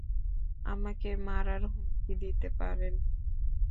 আমাকে মারার হুমকি দিতে পারেন।